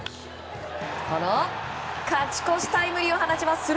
勝ち越しタイムリーを放ちます。